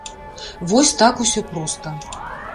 Вось так усё проста.